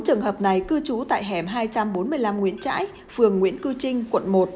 bốn trường hợp này cư trú tại hẻm hai trăm bốn mươi năm nguyễn trãi phường nguyễn cư trinh quận một